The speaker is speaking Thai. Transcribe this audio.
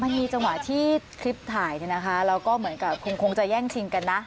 มันมีจังหวะที่คลิปถ่ายเนี่ยนะคะเราก็เหมือนกับคงจะแย่งชิงกันนะ